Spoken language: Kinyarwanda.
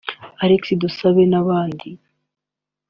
Alexis Dusabe n’abandi